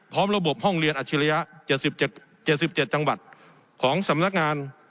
ระบบห้องเรียนอาชิริยะ๗๗จังหวัดของสำนักงาน